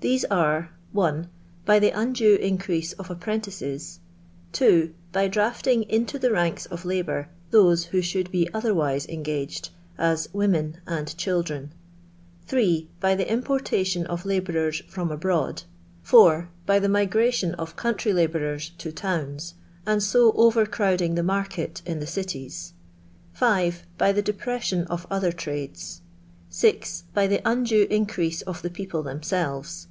These are — 1. By the undue increase of apprentices. 2. By drafting into the ranks of labour those who should be otherwise engaged, as women and children. 8. By the importation of labourers from abroad. 4. By the migration of country labooreis to towns, and so overcrowding the market in the cities. 5. By the depression of other trades. 6. By the undue increase of the people them selves.